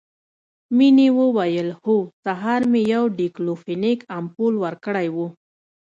مينې وويل هو سهار مې يو ډيکلوفينک امپول ورکړى و.